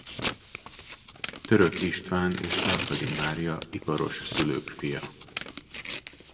Török István és Sarkadi Mária iparos szülők fia.